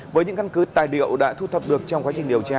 với những căn cứ tài liệu đã thu thập được trong quá trình điều tra